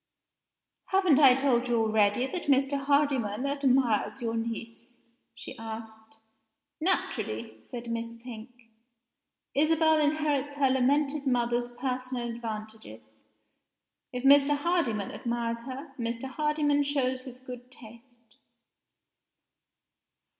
"Haven't I told you already that Mr. Hardyman admires your niece?" she asked. "Naturally," said Miss Pink. "Isabel inherits her lamented mother's personal advantages. If Mr. Hardyman admires her, Mr. Hardyman shows his good taste."